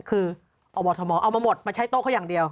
คืออบธมเอามาหมดมาใช้โต๊ะเขาอย่างเดียว